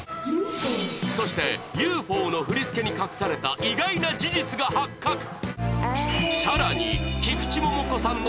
そして『ＵＦＯ』の振り付けに隠された意外な事実が発覚。